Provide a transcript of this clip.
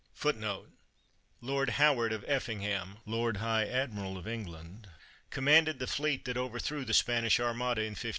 1 Lord Howard of Effingham, lord high admiral of England, com manded the fleet that overthrew the Spanish Armada in 1588.